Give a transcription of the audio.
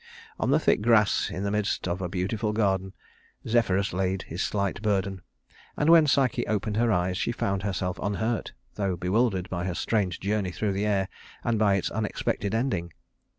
[Illustration: Psyche] On the thick grass in the midst of a beautiful garden, Zephyrus laid his slight burden; and when Psyche opened her eyes, she found herself unhurt, though bewildered by her strange journey through the air and by its unexpected ending.